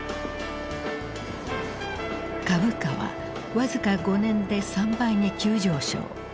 株価は僅か５年で３倍に急上昇。